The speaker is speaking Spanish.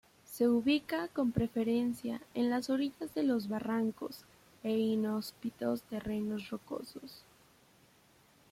Se ubica, con preferencia, en las orillas de los barrancos e inhóspitos terrenos rocosos.